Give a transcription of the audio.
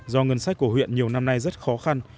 do ngân sách của huyện nhiều năm nay rất khó khăn